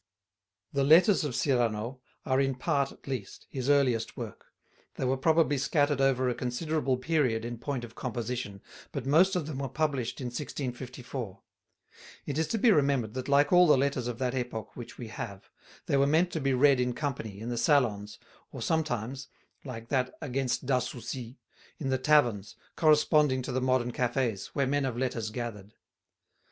The Letters of Cyrano are, in part at least, his earliest work. They were probably scattered over a considerable period in point of composition, but most of them were published in 1654. It is to be remembered that like all the letters of that epoch which we have, they were meant to be read in company, in the salons, or sometimes (like that "Against Dassoucy"), in the taverns, corresponding to the modern cafés, where men of letters gathered.